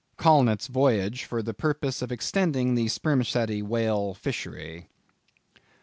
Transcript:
—Colnett's Voyage for the Purpose of Extending the Spermaceti Whale Fishery.